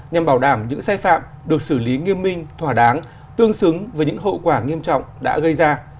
nhằm bảo đảm những sai phạm được xử lý nghiêm minh thỏa đáng tương xứng với những hậu quả nghiêm trọng đã gây ra